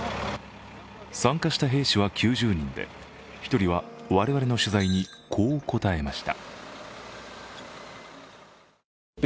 参加した兵士は９０人で、１人は我々の取材に、こう答えました。